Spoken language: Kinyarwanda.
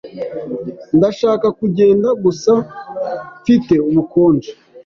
Ndashaka kugenda, gusa mfite ubukonje.